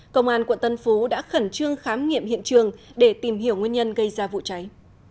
công an quận tân phú đã khẩn trương khám nghiệm hiện trường để tìm hiểu nguyên nhân gây ra vụ cháy